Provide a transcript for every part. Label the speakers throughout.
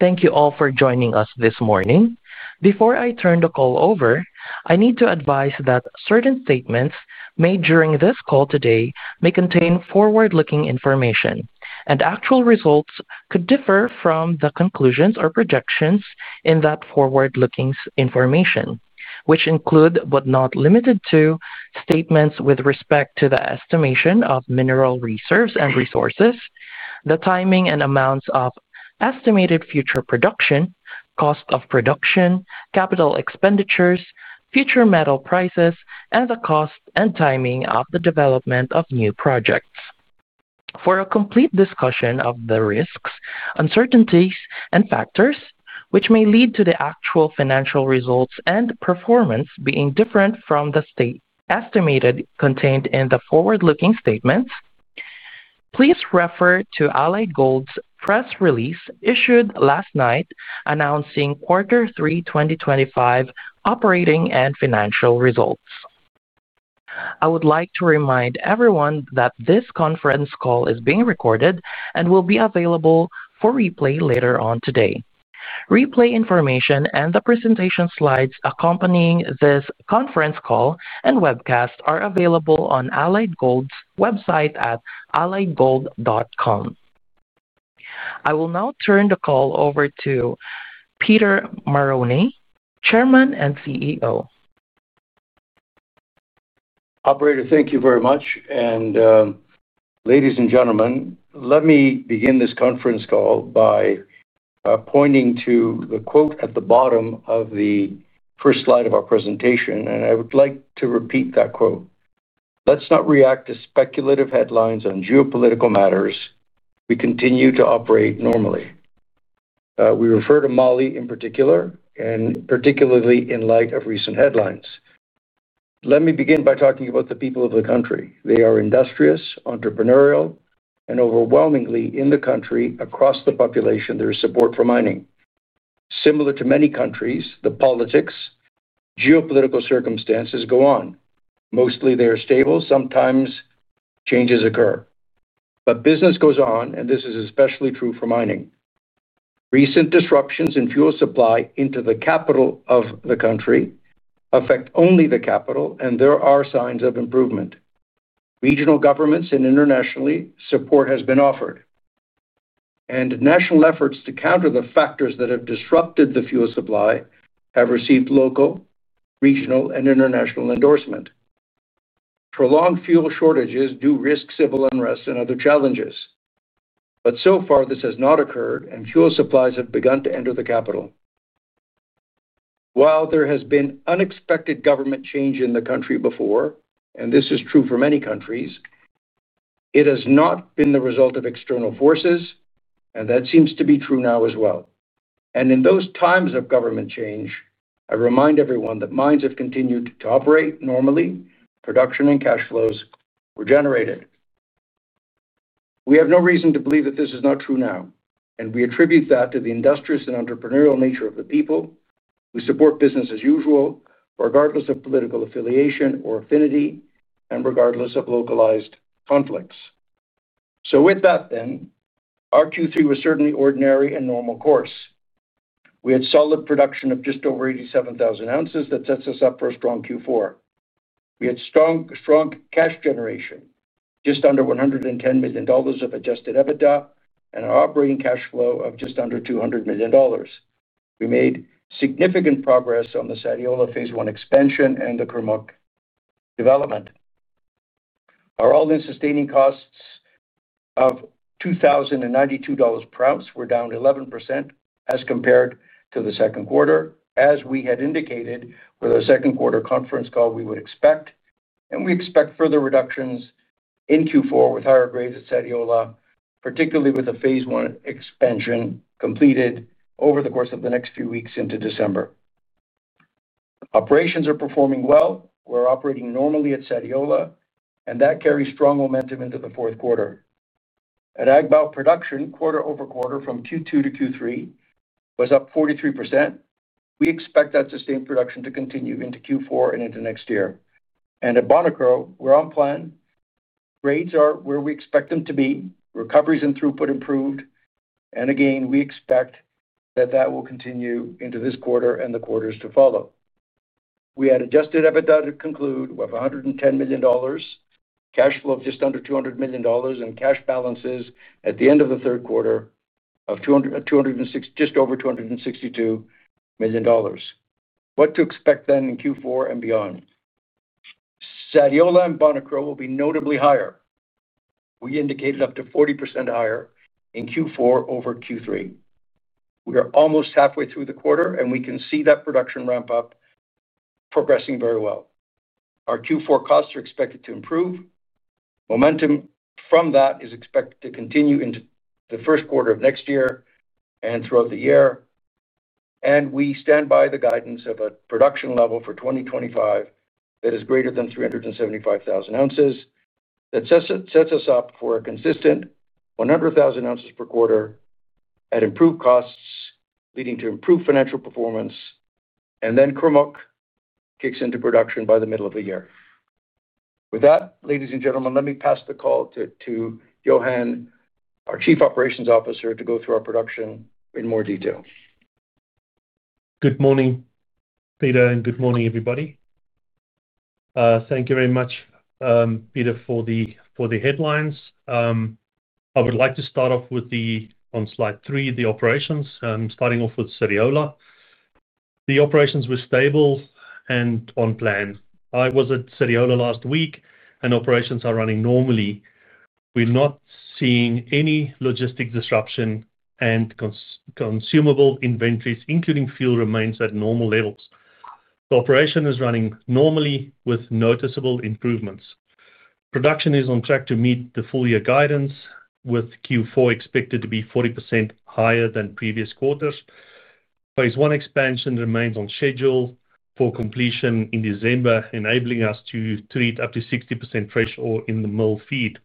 Speaker 1: Thank you all for joining us this morning. Before I turn the call over, I need to advise that certain statements made during this call today may contain forward-looking information, and actual results could differ from the conclusions or projections in that forward-looking information, which include but are not limited to statements with respect to the estimation of mineral reserves and resources, the timing and amounts of estimated future production, cost of production, capital expenditures, future metal prices, and the cost and timing of the development of new projects. For a complete discussion of the risks, uncertainties, and factors which may lead to the actual financial results and performance being different from the estimated contained in the forward-looking statements, please refer to Allied Gold's press release issued last night announcing Q3 2025 operating and financial results. I would like to remind everyone that this conference call is being recorded and will be available for replay later on today. Replay information and the presentation slides accompanying this conference call and webcast are available on Allied Gold's website at alliedgold.com. I will now turn the call over to Peter Marrone, Chairman and CEO.
Speaker 2: Operator, thank you very much. Ladies and gentlemen, let me begin this conference call by pointing to the quote at the bottom of the first slide of our presentation, and I would like to repeat that quote. "Let's not react to speculative headlines on geopolitical matters. We continue to operate normally." We refer to Mali in particular, and particularly in light of recent headlines. Let me begin by talking about the people of the country. They are industrious, entrepreneurial, and overwhelmingly in the country, across the population, there is support for mining. Similar to many countries, the politics, geopolitical circumstances go on. Mostly, they are stable. Sometimes changes occur. Business goes on, and this is especially true for mining. Recent disruptions in fuel supply into the capital of the country affect only the capital, and there are signs of improvement. Regional governments and internationally, support has been offered. National efforts to counter the factors that have disrupted the fuel supply have received local, regional, and international endorsement. Prolonged fuel shortages do risk civil unrest and other challenges. So far, this has not occurred, and fuel supplies have begun to enter the capital. While there has been unexpected government change in the country before, and this is true for many countries, it has not been the result of external forces, and that seems to be true now as well. In those times of government change, I remind everyone that mines have continued to operate normally, production and cash flows were generated. We have no reason to believe that this is not true now, and we attribute that to the industrious and entrepreneurial nature of the people. We support business as usual, regardless of political affiliation or affinity, and regardless of localized conflicts. With that then, our Q3 was certainly ordinary and normal course. We had solid production of just over 87,000 oz that sets us up for a strong Q4. We had strong cash generation, just under $110 million of adjusted EBITDA, and an operating cash flow of just under $200 million. We made significant progress on the Sadiola Phase 1 expansion and the Kurmuk development. Our all-in sustaining costs of $2,092 per oz were down 11% as compared to the second quarter, as we had indicated for the second quarter conference call we would expect. We expect further reductions in Q4 with higher grades at Sadiola, particularly with a Phase 1 expansion completed over the course of the next few weeks into December. Operations are performing well. We are operating normally at Sadiola, and that carries strong momentum into the fourth quarter. At Agbaou, production quarter over quarter from Q2 to Q3 was up 43%. We expect that sustained production to continue into Q4 and into next year. At Bonikro, we're on plan. Grades are where we expect them to be, recoveries and throughput improved. We expect that will continue into this quarter and the quarters to follow. We had adjusted EBITDA to conclude of $110 million, cash flow of just under $200 million, and cash balances at the end of the third quarter of just over $262 million. What to expect then in Q4 and beyond? Sadiola and Bonikro will be notably higher. We indicated up to 40% higher in Q4 over Q3. We are almost halfway through the quarter, and we can see that production ramp up progressing very well. Our Q4 costs are expected to improve. Momentum from that is expected to continue into the first quarter of next year and throughout the year. We stand by the guidance of a production level for 2025 that is greater than 375,000 oz. That sets us up for a consistent 100,000 oz per quarter at improved costs, leading to improved financial performance. Kurmuk kicks into production by the middle of the year. With that, ladies and gentlemen, let me pass the call to Johan, our Chief Operations Officer, to go through our production in more detail.
Speaker 3: Good morning, Peter, and good morning, everybody. Thank you very much, Peter, for the headlines. I would like to start off with the, on slide three, the operations, starting off with Sadiola. The operations were stable and on plan. I was at Sadiola last week, and operations are running normally. We're not seeing any logistic disruption and consumable inventories, including fuel, remain at normal levels. The operation is running normally with noticeable improvements. Production is on track to meet the full-year guidance, with Q4 expected to be 40% higher than previous quarters. Phase 1 expansion remains on schedule for completion in December, enabling us to treat up to 60% fresh ore in the mill feed.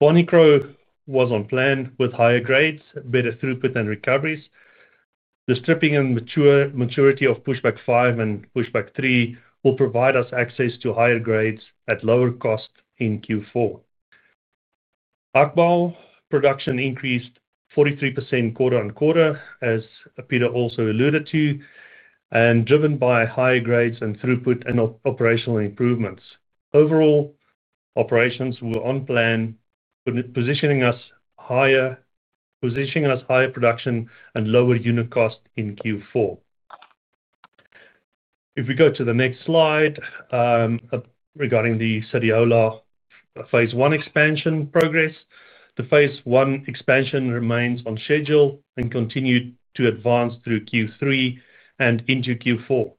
Speaker 3: Bonikro was on plan with higher grades, better throughput, and recoveries. The stripping and maturity of pushback five and pushback three will provide us access to higher grades at lower cost in Q4. Agbaou production increased 43% quarter-on-quarter, as Peter also alluded to. Driven by higher grades and throughput and operational improvements. Overall, operations were on plan. Positioning us higher. Production, and lower unit cost in Q4. If we go to the next slide. Regarding the Sadiola Phase 1 expansion progress, the Phase 1 expansion remains on schedule and continued to advance through Q3 and into Q4.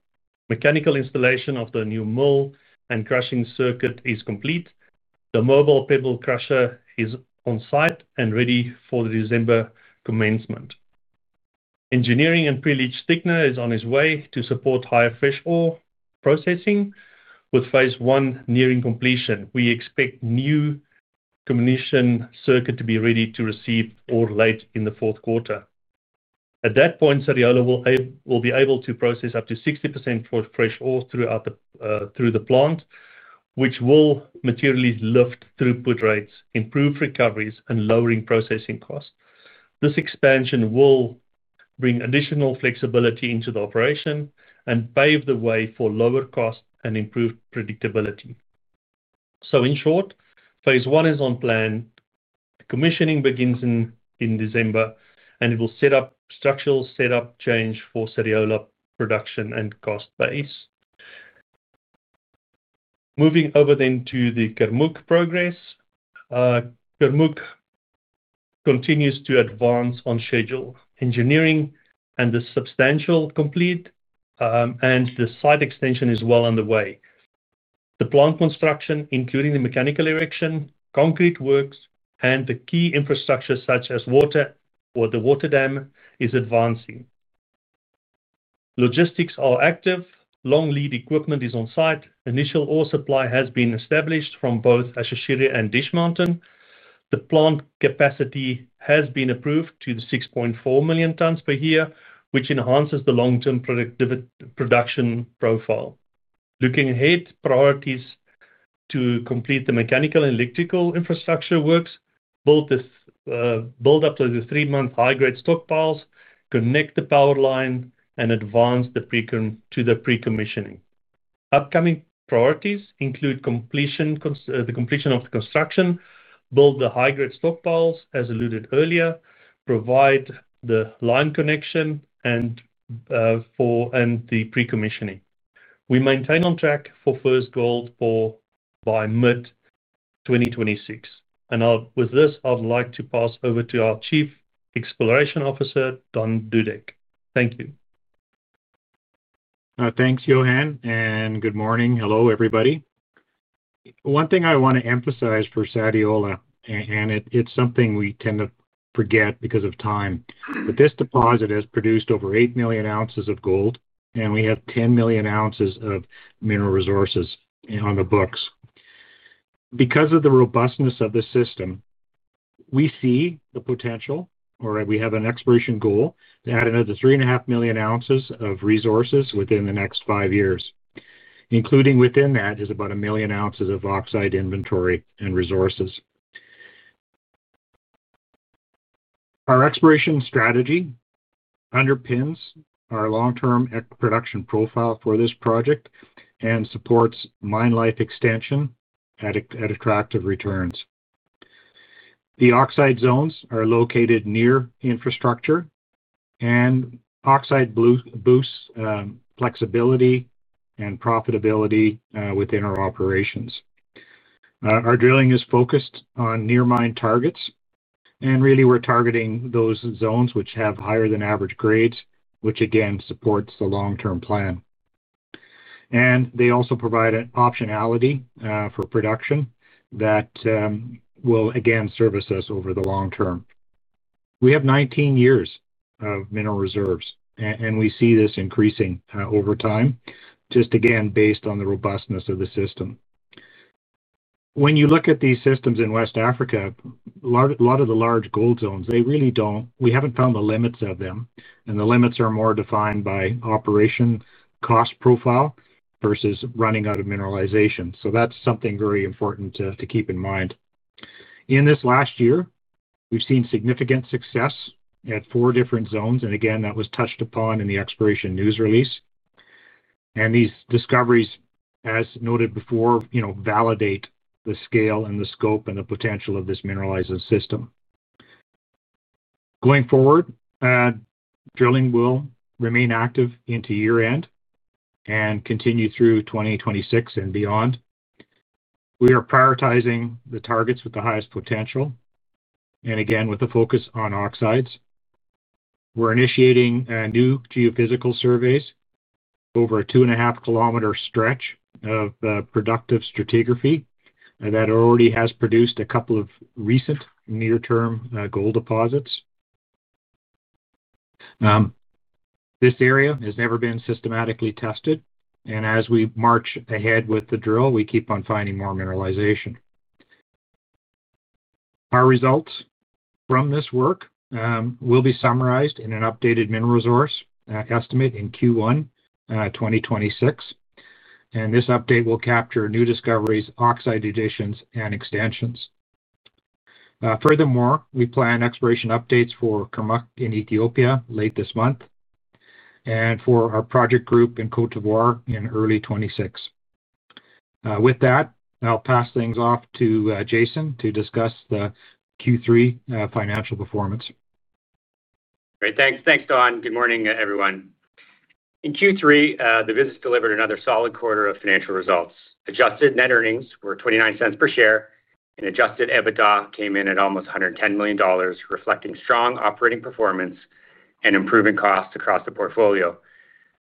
Speaker 3: Mechanical installation of the new mill and crushing circuit is complete. The mobile pebble crusher is on site and ready for the December commencement. Engineering and pre-leach thickener is on its way to support higher fresh ore processing with Phase 1 nearing completion. We expect new commission circuit to be ready to receive ore late in the fourth quarter. At that point, Sadiola will be able to process up to 60% fresh ore through. The plant, which will materially lift throughput rates, improve recoveries, and lower processing costs. This expansion will bring additional flexibility into the operation and pave the way for lower cost and improved predictability. In short, Phase 1 is on plan. Commissioning begins in December, and it will set up structural setup change for Sadiola production and cost base. Moving over then to the Kurmuk progress. Kurmuk continues to advance on schedule. Engineering and the substantial complete. The site extension is well underway. The plant construction, including the mechanical erection, concrete works, and the key infrastructure such as water or the water dam, is advancing. Logistics are active. Long lead equipment is on site. Initial ore supply has been established from both Ashashire and Dish Mountain. The plant capacity has been approved to 6.4 million tons per year, which enhances the long-term production profile. Looking ahead, priorities to complete the mechanical and electrical infrastructure works, build up to the three-month high-grade stockpiles, connect the power line, and advance to the pre-commissioning. Upcoming priorities include the completion of the construction, build the high-grade stockpiles, as alluded earlier, provide the line connection, and the pre-commissioning. We maintain on track for first gold by mid-2026. With this, I'd like to pass over to our Chief Exploration Officer, Don Dudek. Thank you.
Speaker 4: Thanks, Johan, and good morning. Hello, everybody. One thing I want to emphasize for Sadiola, and it's something we tend to forget because of time, but this deposit has produced over 8 million oz of gold, and we have 10 million oz of mineral resources on the books. Because of the robustness of the system, we see the potential, or we have an exploration goal to add another 3.5 million oz of resources within the next five years, including within that is about 1 million oz of oxide inventory and resources. Our exploration strategy underpins our long-term production profile for this project and supports mine life extension at attractive returns. The oxide zones are located near infrastructure, and oxide boosts flexibility and profitability within our operations. Our drilling is focused on near-mine targets, and really, we're targeting those zones which have higher than average grades, which again supports the long-term plan. They also provide an optionality for production that will again service us over the long term. We have 19 years of mineral reserves, and we see this increasing over time, just again based on the robustness of the system. When you look at these systems in West Africa, a lot of the large gold zones, they really don't—we haven't found the limits of them, and the limits are more defined by operation cost profile versus running out of mineralization. That is something very important to keep in mind. In this last year, we've seen significant success at four different zones, and again, that was touched upon in the exploration news release. These discoveries, as noted before, validate the scale, the scope, and the potential of this mineralizing system. Going forward, drilling will remain active into year-end and continue through 2026 and beyond. We are prioritizing the targets with the highest potential, again with the focus on oxides. We are initiating new geophysical surveys over a 2.5 km stretch of productive stratigraphy that already has produced a couple of recent near-term gold deposits. This area has never been systematically tested, and as we march ahead with the drill, we keep on finding more mineralization. Our results from this work will be summarized in an updated mineral resource estimate in Q1 2026. This update will capture new discoveries, oxide additions, and extensions. Furthermore, we plan exploration updates for Kurmuk in Ethiopia late this month and for our project group in Côte d'Ivoire in early 2026. With that, I'll pass things off to Jason to discuss the Q3 financial performance.
Speaker 5: Great. Thanks, Don. Good morning, everyone. In Q3, the business delivered another solid quarter of financial results. Adjusted net earnings were $0.29 per share, and adjusted EBITDA came in at almost $110 million, reflecting strong operating performance and improving costs across the portfolio.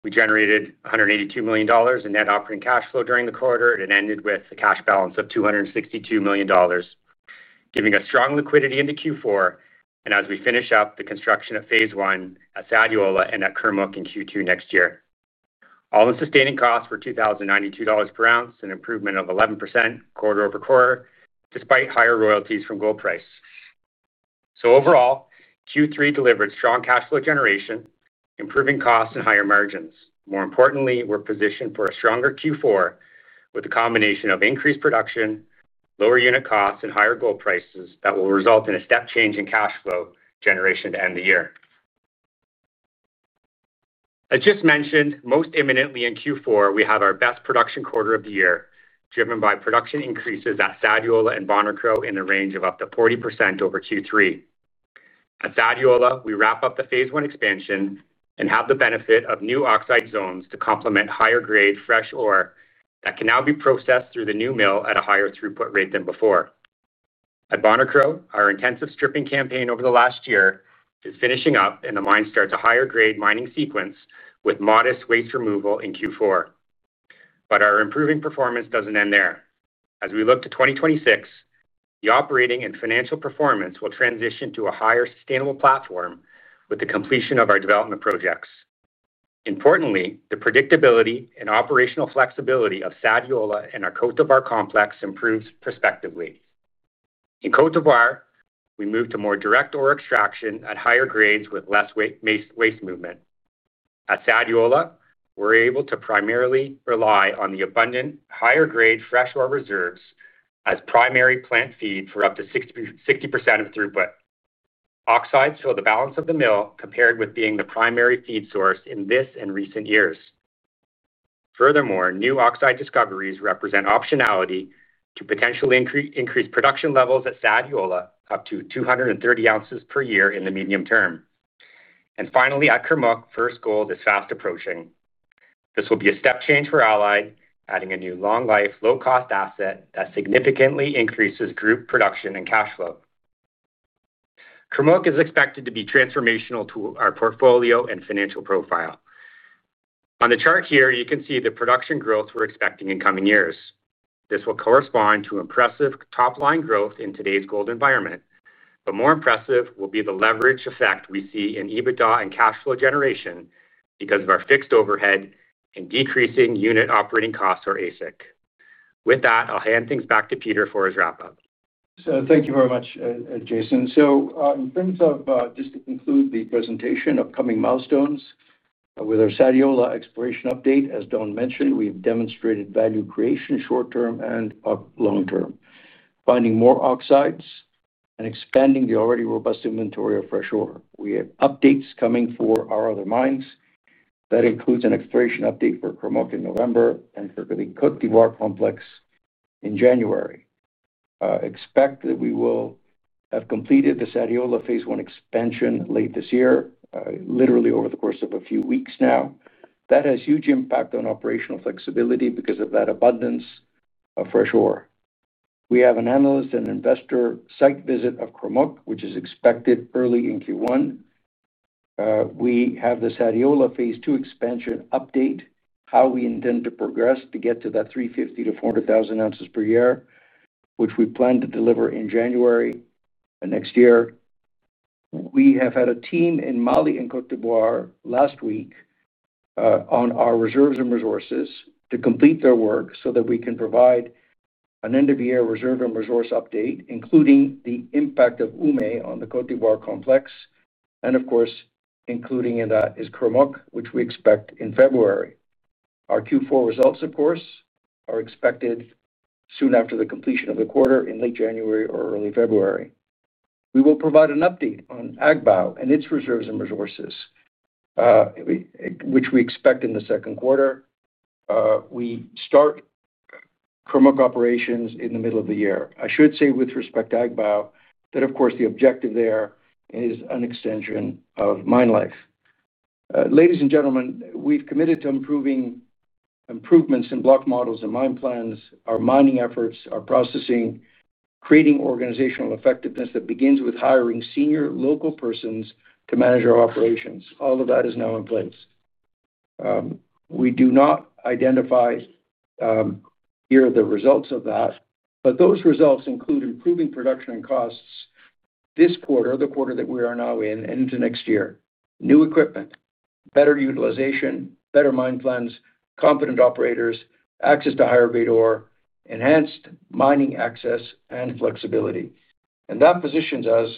Speaker 5: We generated $182 million in net operating cash flow during the quarter, and it ended with a cash balance of $262 million. Giving us strong liquidity into Q4, and as we finish up the construction of Phase 1 at Sadiola and at Kurmuk in Q2 next year. All-in sustaining costs were $2,092 per oz, an improvement of 11% quarter over quarter, despite higher royalties from gold price. Overall, Q3 delivered strong cash flow generation, improving costs, and higher margins. More importantly, we're positioned for a stronger Q4 with a combination of increased production, lower unit costs, and higher gold prices that will result in a step change in cash flow generation to end the year. As just mentioned, most imminently in Q4, we have our best production quarter of the year, driven by production increases at Sadiola and Bonikro in the range of up to 40% over Q3. At Sadiola, we wrap up the Phase 1 expansion and have the benefit of new oxide zones to complement higher-grade fresh ore that can now be processed through the new mill at a higher throughput rate than before. At Bonikro, our intensive stripping campaign over the last year is finishing up, and the mine starts a higher-grade mining sequence with modest waste removal in Q4. Our improving performance does not end there. As we look to 2026, the operating and financial performance will transition to a higher sustainable platform with the completion of our development projects. Importantly, the predictability and operational flexibility of Sadiola and our Côte d'Ivoire complex improves prospectively. In Côte d'Ivoire, we move to more direct ore extraction at higher grades with less waste movement. At Sadiola, we're able to primarily rely on the abundant higher-grade fresh ore reserves as primary plant feed for up to 60% of throughput. Oxides fill the balance of the mill, compared with being the primary feed source in this and recent years. Furthermore, new oxide discoveries represent optionality to potentially increase production levels at Sadiola up to 230,000 oz per year in the medium term. Finally, at Kurmuk, first gold is fast approaching. This will be a step change for Allied, adding a new long-life, low-cost asset that significantly increases group production and cash flow. Kurmuk is expected to be transformational to our portfolio and financial profile. On the chart here, you can see the production growth we are expecting in coming years. This will correspond to impressive top-line growth in today's gold environment, but more impressive will be the leverage effect we see in EBITDA and cash flow generation because of our fixed overhead and decreasing unit operating costs, or ASIC. With that, I will hand things back to Peter for his wrap-up.
Speaker 2: Thank you very much, Jason. In terms of just to conclude the presentation of coming milestones with our Sadiola exploration update, as Don mentioned, we've demonstrated value creation short-term and long-term, finding more oxides and expanding the already robust inventory of fresh ore. We have updates coming for our other mines. That includes an exploration update for Kurmuk in November and for the Côte d'Ivoire complex in January. Expect that we will have completed the Sadiola Phase 1 expansion late this year, literally over the course of a few weeks now. That has huge impact on operational flexibility because of that abundance of fresh ore. We have an analyst and investor site visit of Kurmuk, which is expected early in Q1. We have the Sadiola Phase 2 expansion update, how we intend to progress to get to that 350,000 oz-400,000 oz per year, which we plan to deliver in January next year. We have had a team in Mali and Côte d'Ivoire last week on our reserves and resources to complete their work so that we can provide an end-of-year reserve and resource update, including the impact of Oumé on the Côte d'Ivoire complex. Of course, included in that is Kurmuk, which we expect in February. Our Q4 results, of course, are expected soon after the completion of the quarter in late January or early February. We will provide an update on Agbaou and its reserves and resources, which we expect in the second quarter. We start Kurmuk operations in the middle of the year. I should say with respect to Agbaou that, of course, the objective there is an extension of mine life. Ladies and gentlemen, we've committed to improving. Improvements in block models and mine plans, our mining efforts, our processing, creating organizational effectiveness that begins with hiring senior local persons to manage our operations. All of that is now in place. We do not identify here the results of that, but those results include improving production and costs this quarter, the quarter that we are now in, and into next year. New equipment, better utilization, better mine plans, competent operators, access to higher-grade ore, enhanced mining access, and flexibility. That positions us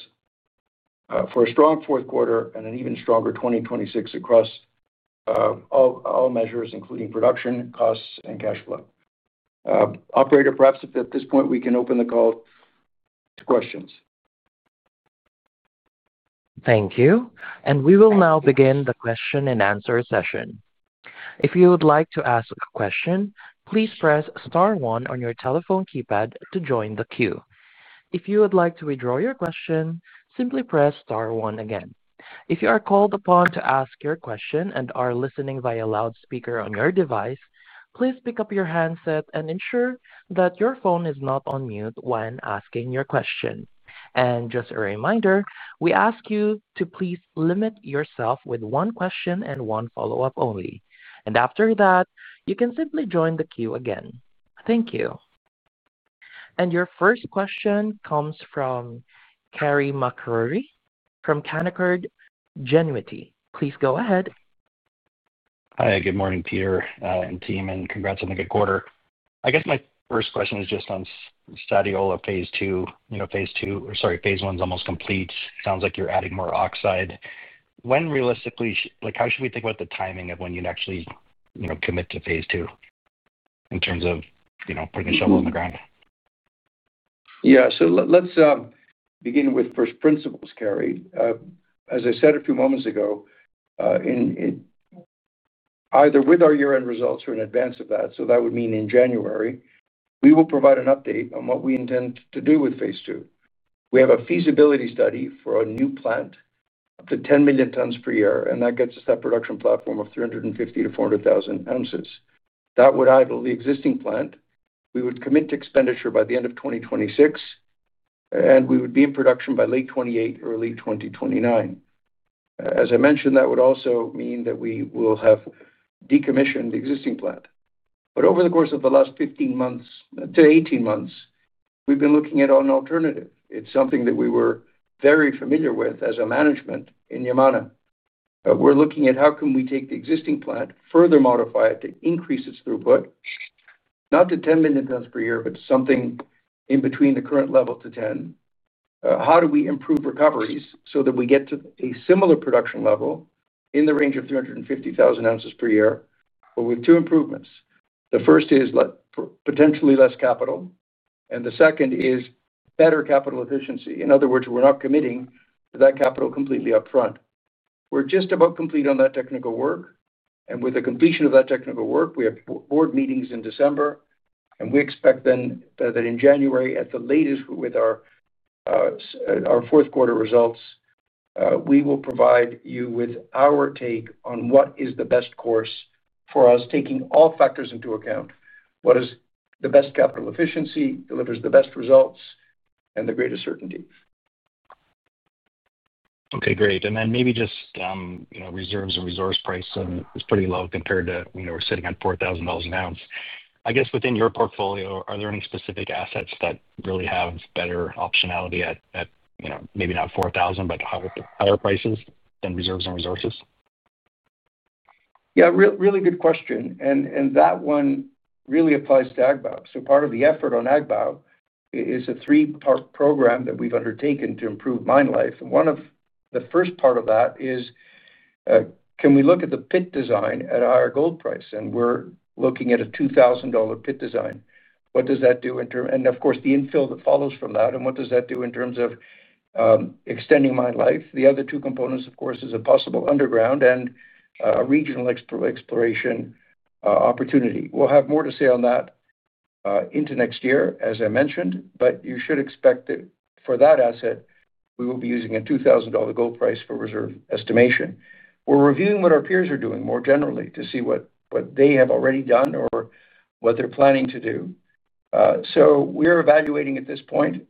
Speaker 2: for a strong fourth quarter and an even stronger 2026 across all measures, including production, costs, and cash flow. Operator, perhaps at this point, we can open the call to questions.
Speaker 1: Thank you. We will now begin the question and answer session. If you would like to ask a question, please press star one on your telephone keypad to join the queue. If you would like to withdraw your question, simply press star one again. If you are called upon to ask your question and are listening via loudspeaker on your device, please pick up your handset and ensure that your phone is not on mute when asking your question. Just a reminder, we ask you to please limit yourself to one question and one follow-up only. After that, you can simply join the queue again. Thank you. Your first question comes from Carey MacRury from Canaccord Genuity. Please go ahead.
Speaker 6: Hi, good morning, Peter, and team, and congrats on the good quarter. I guess my first question is just on Sadiola Phase 2. Phase 2, or sorry, Phase 1 is almost complete. Sounds like you're adding more oxide. When realistically, how should we think about the timing of when you'd actually commit to Phase 2. In terms of putting a shovel in the ground?
Speaker 2: Yeah, so let's begin with first principles, Carey. As I said a few moments ago. Either with our year-end results or in advance of that, so that would mean in January, we will provide an update on what we intend to do with Phase 2. We have a feasibility study for a new plant. Up to 10 million tons per year, and that gets us that production platform of 350,000 oz-400,000 oz. That would idle the existing plant. We would commit to expenditure by the end of 2026. We would be in production by late 2028 or late 2029. As I mentioned, that would also mean that we will have decommissioned the existing plant. Over the course of the last 18 months, we've been looking at an alternative. It's something that we were very familiar with as a management in Yamana. We're looking at how can we take the existing plant, further modify it to increase its throughput. Not to 10 million tons per year, but something in between the current level to 10. How do we improve recoveries so that we get to a similar production level in the range of 350,000 oz per year? With two improvements. The first is potentially less capital, and the second is better capital efficiency. In other words, we're not committing to that capital completely upfront. We're just about complete on that technical work. With the completion of that technical work, we have board meetings in December. We expect then that in January, at the latest, with our fourth quarter results, we will provide you with our take on what is the best course for us, taking all factors into account. What is the best capital efficiency, delivers the best results, and the greatest certainty?
Speaker 6: Okay, great. Maybe just, reserves and resource price is pretty low compared to we're sitting at $4,000 an oz. I guess within your portfolio, are there any specific assets that really have better optionality at maybe not $4,000, but higher prices than reserves and resources?
Speaker 2: Yeah, really good question. That one really applies to Agbaou. Part of the effort on Agbaou is a three-part program that we've undertaken to improve mine life. One of the first parts of that is, can we look at the pit design at our gold price? We're looking at a $2,000 pit design. What does that do in terms of, and of course, the infill that follows from that, what does that do in terms of extending mine life? The other two components, of course, are a possible underground and regional exploration opportunity. We'll have more to say on that into next year, as I mentioned, but you should expect that for that asset, we will be using a $2,000 gold price for reserve estimation. We're reviewing what our peers are doing more generally to see what they have already done or what they're planning to do. So we're evaluating at this point.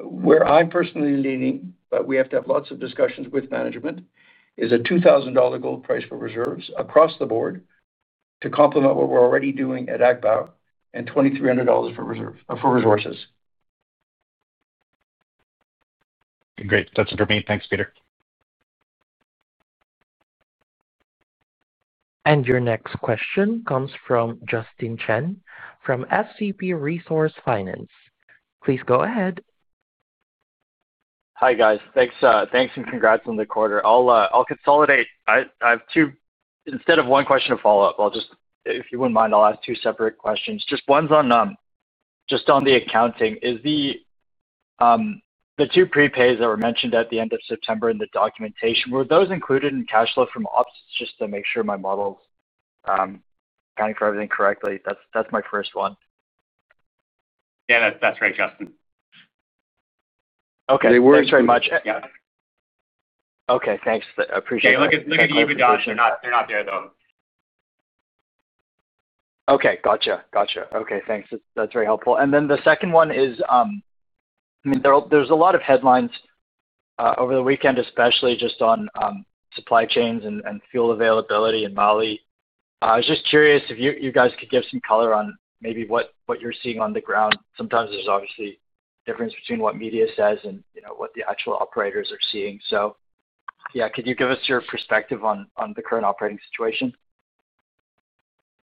Speaker 2: Where I'm personally leaning, but we have to have lots of discussions with management, is a $2,000 gold price for reserves across the board to complement what we're already doing at Agbaou and $2,300 for resources.
Speaker 6: Great. That's good for me. Thanks, Peter.
Speaker 1: Your next question comes from Justin Chan from SCP Resource Finance. Please go ahead.
Speaker 7: Hi, guys. Thanks and congrats on the quarter. I'll consolidate. Instead of one question of follow-up, if you wouldn't mind, I'll ask two separate questions. Just one's on. Just on the accounting. The two prepays that were mentioned at the end of September in the documentation, were those included in cash flow from ops? Just to make sure my model's counting for everything correctly, that's my first one.
Speaker 5: Yeah, that's right, Justin.
Speaker 7: Okay. Thanks very much. Okay, thanks. Appreciate it.
Speaker 5: Look at EBITDA, they're not there though.
Speaker 7: Okay, gotcha. Gotcha. Okay, thanks. That's very helpful. I mean, there's a lot of headlines over the weekend, especially just on supply chains and fuel availability in Mali. I was just curious if you guys could give some color on maybe what you're seeing on the ground. Sometimes there's obviously difference between what media says and what the actual operators are seeing. Yeah, could you give us your perspective on the current operating situation?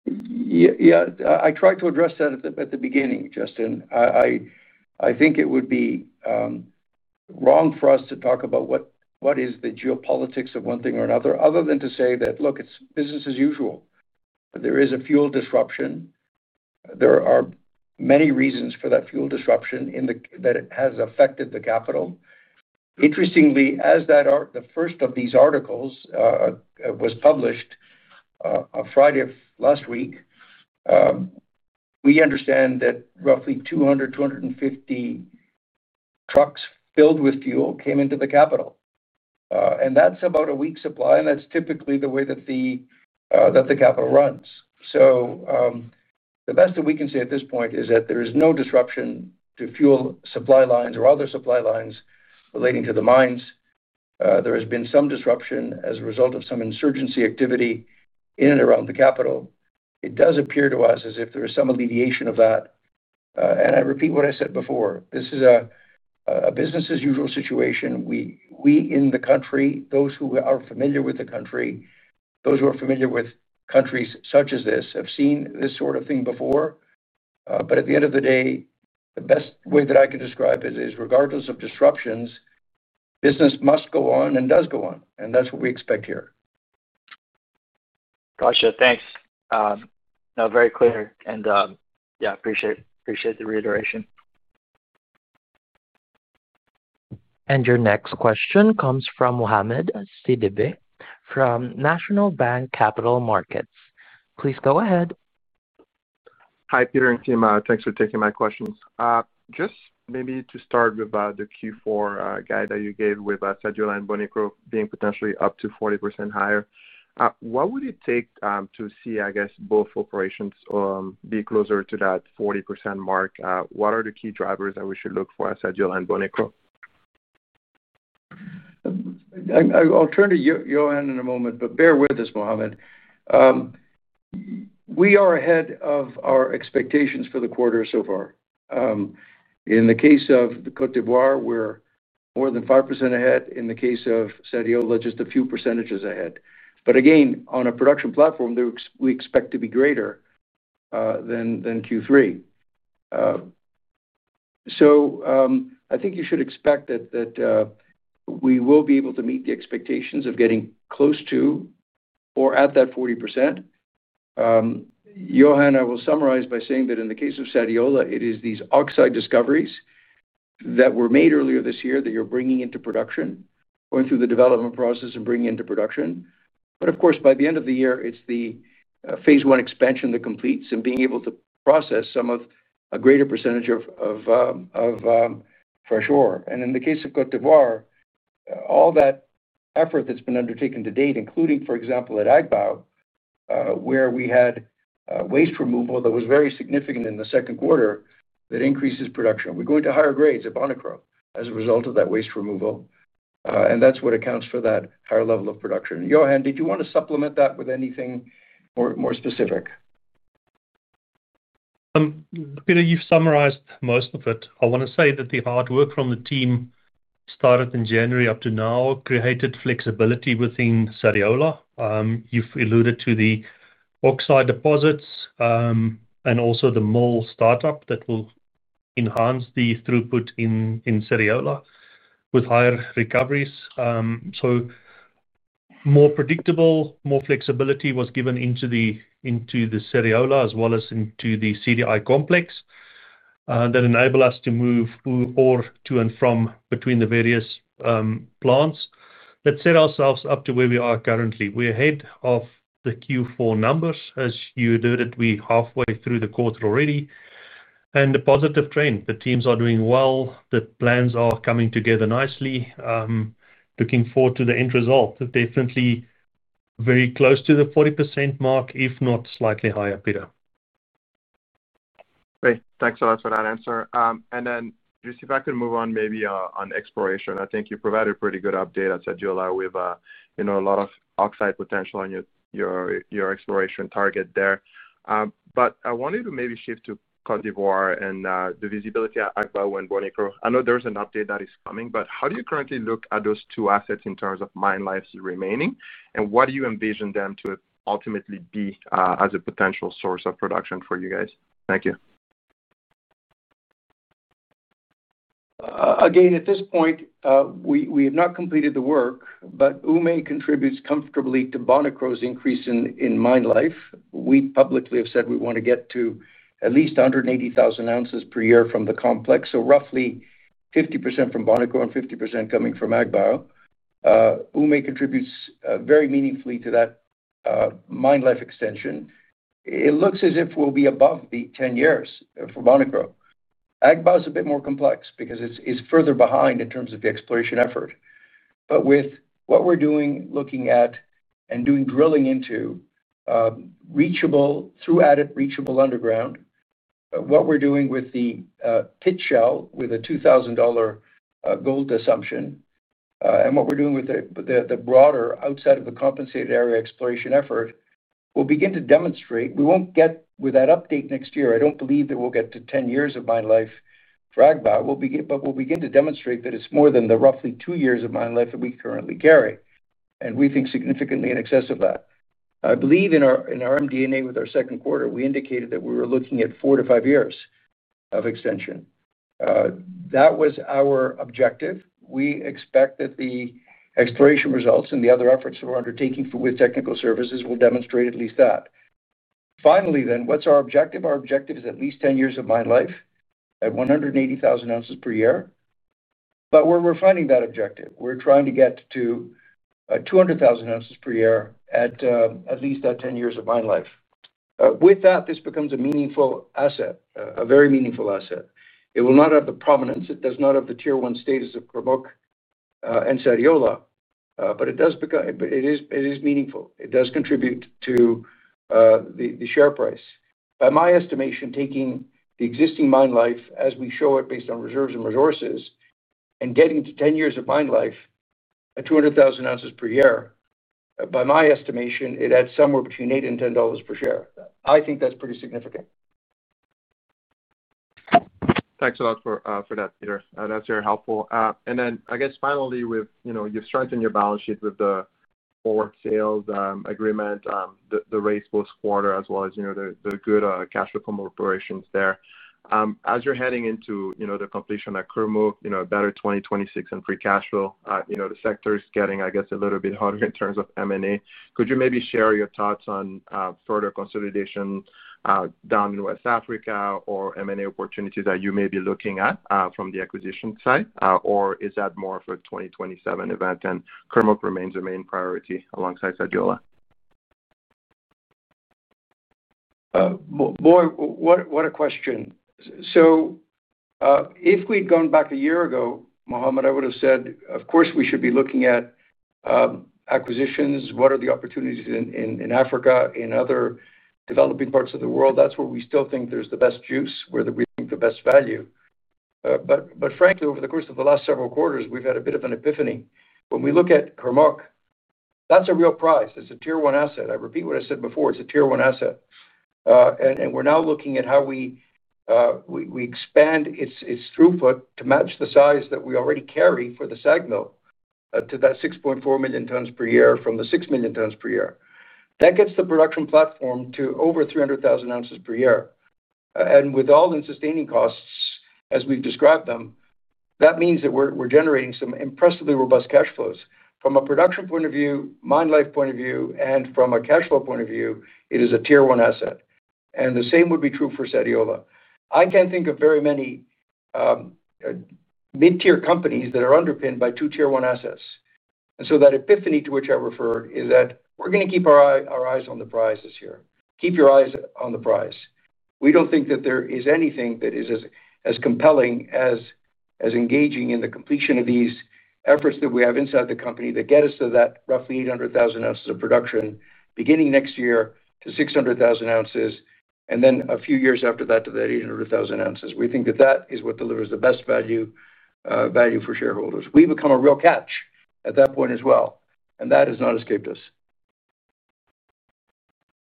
Speaker 2: Yeah, I tried to address that at the beginning, Justin. I think it would be wrong for us to talk about what is the geopolitics of one thing or another, other than to say that, look, it's business as usual. There is a fuel disruption. There are many reasons for that fuel disruption that has affected the capital. Interestingly, as the first of these articles was published on Friday of last week, we understand that roughly 200 trucks-250 trucks filled with fuel came into the capital. And that's about a week's supply, and that's typically the way that the capital runs. The best that we can say at this point is that there is no disruption to fuel supply lines or other supply lines relating to the mines. There has been some disruption as a result of some insurgency activity in and around the capital. It does appear to us as if there is some alleviation of that. I repeat what I said before. This is a business-as-usual situation. We in the country, those who are familiar with the country, those who are familiar with countries such as this, have seen this sort of thing before. At the end of the day, the best way that I can describe it is, regardless of disruptions, business must go on and does go on. That is what we expect here.
Speaker 7: Gotcha. Thanks. Now, very clear. Yeah, appreciate the reiteration.
Speaker 1: Your next question comes from Mohamed Sidibé from National Bank Capital Markets. Please go ahead.
Speaker 8: Hi, Peter and team. Thanks for taking my questions. Just maybe to start with the Q4 guide that you gave with Sadiola and Bonikro being potentially up to 40% higher. What would it take to see, I guess, both operations be closer to that 40% mark? What are the key drivers that we should look for at Sadiola and Bonikro?
Speaker 2: I'll turn to your hand in a moment, but bear with us, Mohamed. We are ahead of our expectations for the quarter so far. In the case of Côte d'Ivoire, we're more than 5% ahead. In the case of Sadiola, just a few percentages ahead. Again, on a production platform, we expect to be greater than Q3. I think you should expect that we will be able to meet the expectations of getting close to or at that 40%. Johan, I will summarize by saying that in the case of Sadiola, it is these oxide discoveries that were made earlier this year that you're bringing into production, going through the development process and bringing into production. Of course, by the end of the year, it's the phase 1 expansion that completes and being able to process some of a greater percentage of fresh ore. In the case of Côte d'Ivoire, all that effort that's been undertaken to date, including, for example, at Agbaou. Where we had waste removal that was very significant in the second quarter that increases production. We're going to higher grades at Bonikro as a result of that waste removal. That's what accounts for that higher level of production. Johan, did you want to supplement that with anything more specific?
Speaker 3: Peter, you've summarized most of it. I want to say that the hard work from the team started in January up to now created flexibility within Sadiola. You've alluded to the oxide deposits and also the mill startup that will enhance the throughput in Sadiola with higher recoveries. More predictable, more flexibility was given into the Sadiola as well as into the CDI complex. That enabled us to move ore to and from between the various plants. Let's set ourselves up to where we are currently. We're ahead of the Q4 numbers. As you alluded, we're halfway through the quarter already. The positive trend, the teams are doing well, the plans are coming together nicely. Looking forward to the end result. Definitely very close to the 40% mark, if not slightly higher, Peter.
Speaker 8: Great. Thanks a lot for that answer. Jesse, if I could move on maybe on exploration. I think you provided a pretty good update at Sadiola with a lot of oxide potential on your exploration target there. I wanted to maybe shift to Côte d'Ivoire and the visibility at Agbaou and Bonikro. I know there's an update that is coming, but how do you currently look at those two assets in terms of mine lives remaining? What do you envision them to ultimately be as a potential source of production for you guys? Thank you.
Speaker 2: Again, at this point, we have not completed the work, but Oumé contributes comfortably to Bonikro's increase in mine life. We publicly have said we want to get to at least 180,000 oz per year from the complex, so roughly 50% from Bonikro and 50% coming from Agbaou. Oumé contributes very meaningfully to that mine life extension. It looks as if we will be above the 10 years for Bonikro. Agbaou is a bit more complex because it is further behind in terms of the exploration effort. With what we are doing, looking at and doing drilling into reachable, throughout it, reachable underground. What we are doing with the pit shell with a $2,000 gold assumption, and what we are doing with the broader outside of the compensated area exploration effort, we will begin to demonstrate. We will not get with that update next year. I do not believe that we will get to 10 years of mine life for Agbaou, but we will begin to demonstrate that it is more than the roughly two years of mine life that we currently carry. We think significantly in excess of that. I believe in our MD&A with our second quarter, we indicated that we were looking at four- to five-year extension. That was our objective. We expect that the exploration results and the other efforts that we are undertaking with technical services will demonstrate at least that. Finally, then, what is our objective? Our objective is at least 10 years of mine life at 180,000 oz per year. Where we are finding that objective, we are trying to get to 200,000 oz per year at at least that 10 years of mine life. With that, this becomes a meaningful asset, a very meaningful asset. It will not have the prominence. It does not have the tier one status of Kurmuk and Sadiola, but it does. It is meaningful. It does contribute to the share price. By my estimation, taking the existing mine life as we show it based on reserves and resources and getting to 10 years of mine life at 200,000 oz per year, by my estimation, it adds somewhere between $8 and $10 per share. I think that's pretty significant.
Speaker 8: Thanks a lot for that, Peter. That's very helpful. I guess, finally, you've strengthened your balance sheet with the forward sales agreement, the raise post-quarter, as well as the good cash flow from operations there. As you're heading into the completion of Kurmuk, a better 2026 and free cash flow, the sector is getting, I guess, a little bit hotter in terms of M&A. Could you maybe share your thoughts on further consolidation down in West Africa or M&A opportunities that you may be looking at from the acquisition side? Or is that more of a 2027 event and Kurmuk remains a main priority alongside Sadiola?
Speaker 2: Boy, what a question. If we'd gone back a year ago, Mohamed, I would have said, of course, we should be looking at acquisitions, what are the opportunities in Africa, in other developing parts of the world? That's where we still think there's the best juice, where we think the best value. Frankly, over the course of the last several quarters, we've had a bit of an epiphany. When we look at Kurmuk, that's a real prize. It's a tier one asset. I repeat what I said before. It's a tier one asset. We're now looking at how we expand its throughput to match the size that we already carry for the SAG mill to that 6.4 million tons per year from the 6 million tons per year. That gets the production platform to over 300,000 oz per year. With all the sustaining costs, as we've described them, that means that we're generating some impressively robust cash flows. From a production point of view, mine life point of view, and from a cash flow point of view, it is a tier one asset. The same would be true for Sadiola. I can't think of very many mid-tier companies that are underpinned by two tier one assets. That epiphany to which I referred is that we're going to keep our eyes on the prizes here. Keep your eyes on the prize. We don't think that there is anything that is as compelling as engaging in the completion of these efforts that we have inside the company that get us to that roughly 800,000 oz of production beginning next year to 600,000 oz, and then a few years after that to that 800,000 oz. We think that is what delivers the best value for shareholders. We become a real catch at that point as well. That has not escaped us.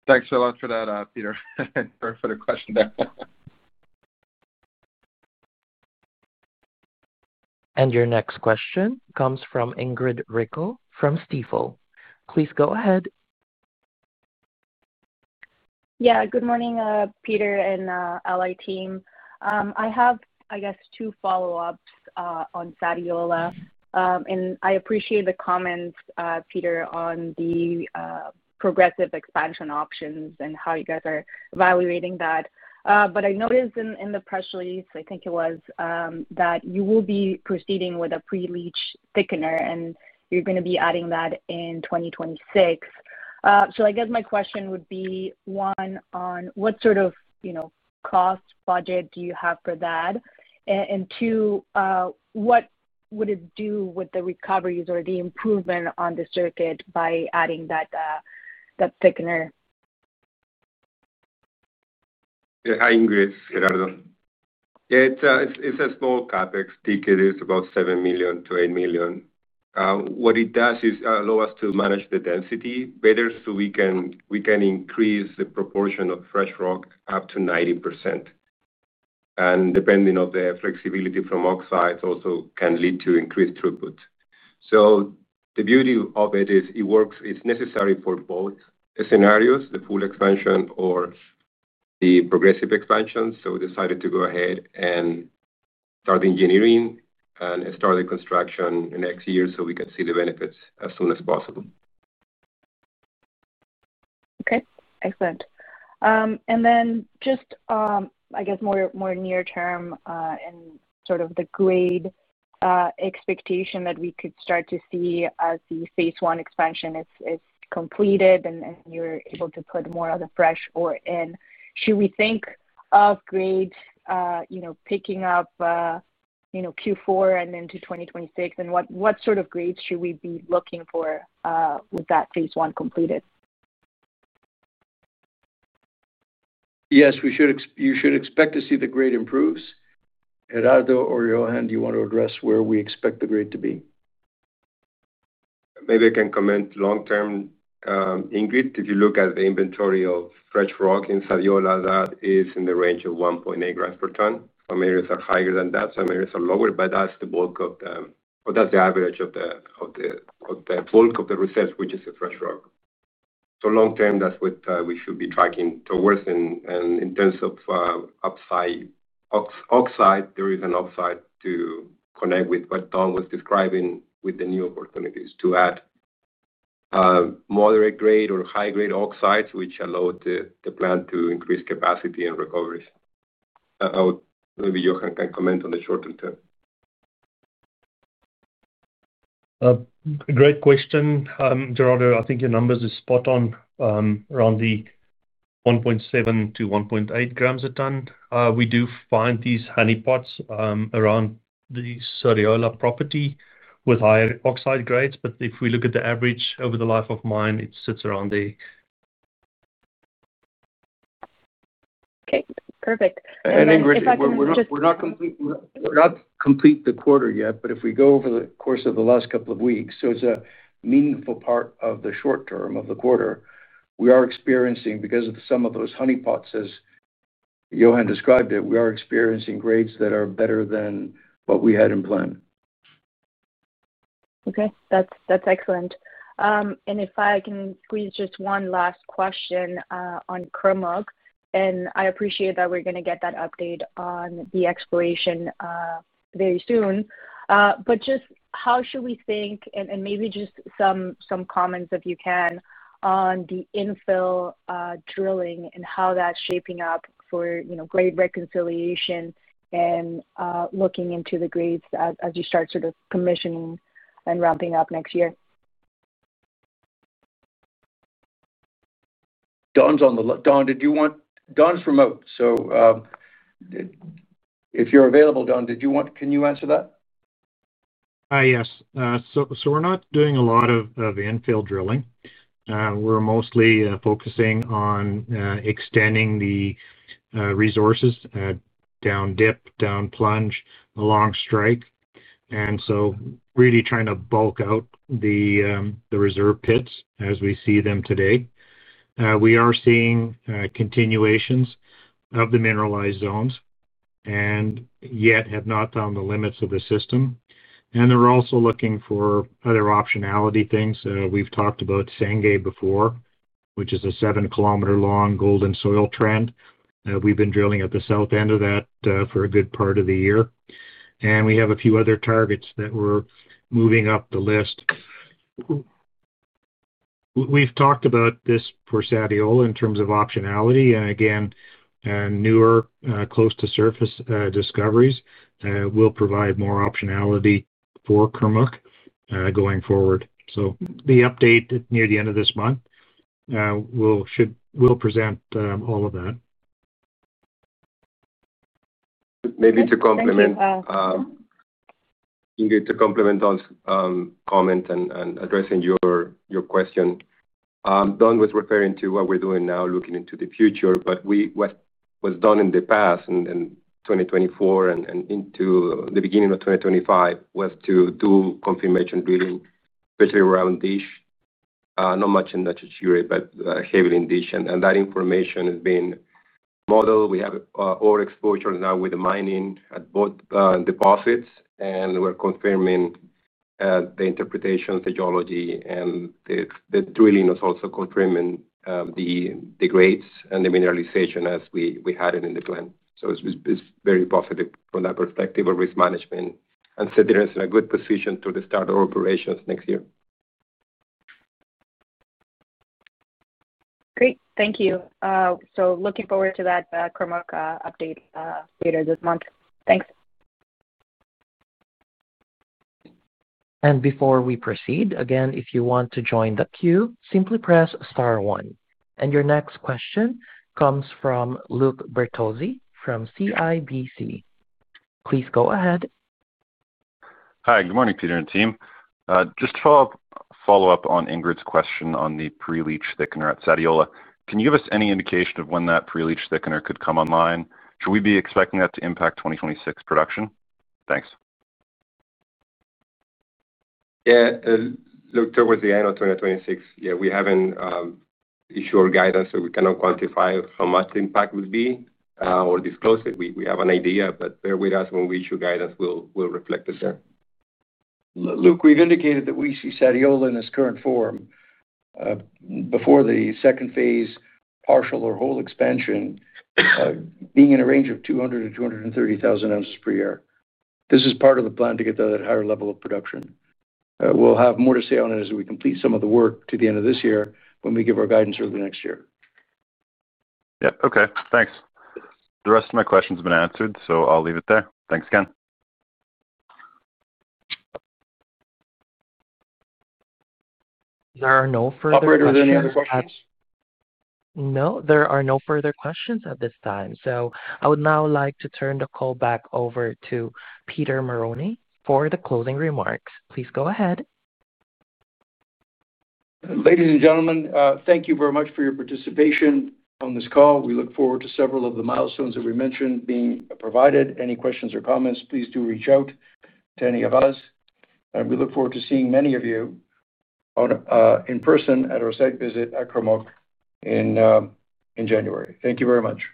Speaker 8: Thanks a lot for that, Peter. Thanks for the question there.
Speaker 1: Your next question comes from Ingrid Rico from Stefo. Please go ahead.
Speaker 9: Yeah, good morning, Peter and Allied team. I have, I guess, two follow-ups on Sadiola. I appreciate the comments, Peter, on the progressive expansion options and how you guys are evaluating that. I noticed in the press release, I think it was, that you will be proceeding with a pre-leach thickener, and you're going to be adding that in 2026. I guess my question would be, one, on what sort of cost budget do you have for that? And two, what would it do with the recoveries or the improvement on the circuit by adding that thickener?
Speaker 10: Hi, Ingrid, Gerardo. It's a small CapEx ticket. It's about $7 million-$8 million. What it does is allow us to manage the density better so we can increase the proportion of fresh rock up to 90%. Depending on the flexibility from oxides, also can lead to increased throughput. The beauty of it is it works. It's necessary for both scenarios, the full expansion or the progressive expansion. We decided to go ahead and start engineering and start the construction next year so we can see the benefits as soon as possible.
Speaker 9: Okay. Excellent. Just, I guess, more near-term and sort of the grade. Expectation that we could start to see as the Phase 1 expansion is completed and you're able to put more of the fresh ore in, should we think of grade picking up Q4 and into 2026? What sort of grades should we be looking for with that Phase 1 completed?
Speaker 2: Yes, you should expect to see the grade improves. Gerardo or Johan, do you want to address where we expect the grade to be?
Speaker 10: Maybe I can comment long-term. Ingrid, if you look at the inventory of fresh rock in Sadiola, that is in the range of 1.8 g per ton. Some areas are higher than that. Some areas are lower, but that's the bulk of the, or that's the average of the bulk of the reserves, which is the fresh rock. Long-term, that's what we should be tracking towards. In terms of oxide, there is an oxide to connect with what Don was describing with the new opportunities to add moderate grade or high-grade oxides, which allow the plant to increase capacity and recoveries. Maybe Johan can comment on the shorter term.
Speaker 3: Great question. Gerardo, I think your numbers are spot on around the 1.7 g-1.8 g a ton. We do find these honey pots around the Sadiola property with higher oxide grades. If we look at the average over the life of mine, it sits around the.
Speaker 9: Okay. Perfect.
Speaker 2: Ingrid, we're not complete the quarter yet, but if we go over the course of the last couple of weeks, so it's a meaningful part of the short term of the quarter, we are experiencing, because of some of those honey pots, as Johan described it, we are experiencing grades that are better than what we had in plan.
Speaker 9: Okay. That's excellent. If I can squeeze just one last question on Kurmuk, I appreciate that we're going to get that update on the exploration very soon. Just how should we think, and maybe just some comments if you can, on the infill drilling and how that's shaping up for grade reconciliation and looking into the grades as you start sort of commissioning and ramping up next year?
Speaker 2: Don's on the line. Don, did you want—Don's remote. If you're available, Don, can you answer that?
Speaker 4: Yes. We're not doing a lot of infill drilling. We're mostly focusing on extending the resources down dip, down plunge, along strike. Really trying to bulk out the reserve pits as we see them today. We are seeing continuations of the mineralized zones, and yet have not found the limits of the system. They're also looking for other optionality things. We've talked about Tsenge before, which is a 7-km-long gold-in-soil trend. We've been drilling at the south end of that for a good part of the year. We have a few other targets that we're moving up the list. We've talked about this for Sadiola in terms of optionality. Newer close-to-surface discoveries will provide more optionality for Kurmuk going forward. The update near the end of this month will present all of that.
Speaker 10: Maybe to complement. Ingrid, to complement Don's comment and addressing your question. Don was referring to what we're doing now, looking into the future, but what was done in the past, in 2024 and into the beginning of 2025, was to do confirmation drilling, especially around Dish. Not much in Ashashire, but heavily in Dish. That information has been modeled. We have ore exposure now with the mining at both deposits, and we're confirming the interpretation, the geology, and the drilling is also confirming the grades and the mineralization as we had it in the plan. It is very positive from that perspective of risk management and sets the rest in a good position to the start of operations next year.
Speaker 9: Great. Thank you. Looking forward to that Kurmuk update later this month. Thanks.
Speaker 1: Before we proceed, again, if you want to join the queue, simply press star one. Your next question comes from Luke Bertozzi from CIBC. Please go ahead.
Speaker 11: Hi, good morning, Peter and team. Just to follow up on Ingrid's question on the pre-leach thickener at Sadiola, can you give us any indication of when that pre-leach thickener could come online? Should we be expecting that to impact 2026 production? Thanks.
Speaker 10: Yeah. Look towards the end of 2026. Yeah, we haven't issued guidance, so we cannot quantify how much impact will be or disclose it. We have an idea, but bear with us when we issue guidance. We'll reflect it there.
Speaker 2: Luke, we've indicated that we see Sadiola in its current form, before the second phase, partial or whole expansion, being in a range of 200,000 oz-230,000 oz per year. This is part of the plan to get to that higher level of production. We'll have more to say on it as we complete some of the work to the end of this year when we give our guidance early next year.
Speaker 11: Yeah. Okay. Thanks. The rest of my questions have been answered, so I'll leave it there. Thanks again.
Speaker 1: There are no further questions.
Speaker 2: Operator, does any other questions?
Speaker 1: No, there are no further questions at this time. So I would now like to turn the call back over to Peter Marrone for the closing remarks. Please go ahead.
Speaker 2: Ladies and gentlemen, thank you very much for your participation on this call. We look forward to several of the milestones that we mentioned being provided. Any questions or comments, please do reach out to any of us. We look forward to seeing many of you in person at our site visit at Kurmuk in January. Thank you very much.